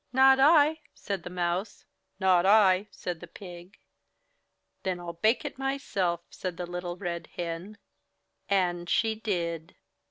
"Not I," said the Mouse. "Not I," said the Pig. "Then I'll bake it myself," said Little Red Hen. And she did.